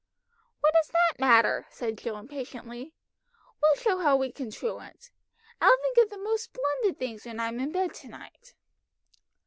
"What does that matter?" said Jill impatiently. "We'll show how we can truant. I'll think of the most splendid things when I'm in bed to night."